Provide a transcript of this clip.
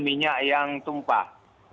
minyak yang tumpah